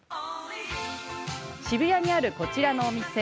渋谷にあるこちらのお店。